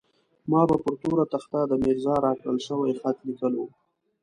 ما به پر توره تخته د ميرزا راکړل شوی خط ليکلو.